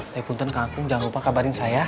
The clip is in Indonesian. tapi pun kan kak akung jangan lupa kabarin saya